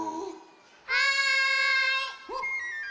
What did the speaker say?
はい。